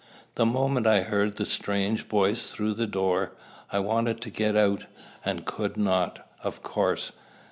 The moment I heard the strange voice through the door, I wanted to get out, and could not, of course.